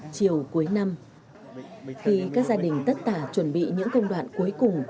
chiều cuối năm khi các gia đình tất tả chuẩn bị những công đoạn cuối cùng